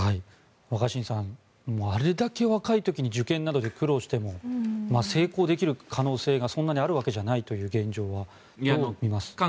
若新さんあれだけ若い時に受験などで苦労しても成功できる可能性がそんなにあるわけじゃない現状をどう見ますか？